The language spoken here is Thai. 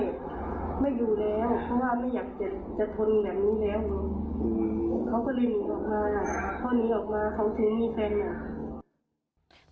เขาก็เลยหนีออกมาพอหนีออกมาเขาถึงมีแฟน